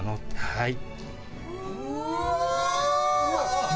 はい。